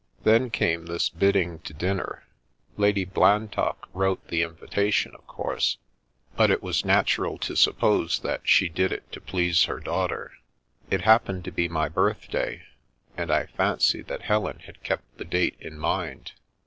Then came this bidding to dinner. Lady Blan tock wrote the invitation, of course, but it was nat ural to suppose that she did it to please her daughter. It happened to be my birthday, and I fancied that Helen had kept the date in mind.